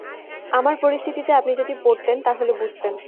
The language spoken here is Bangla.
আমার পরিস্থিতিতে আপনি যদি পড়তেন তাহলে বুঝতেন।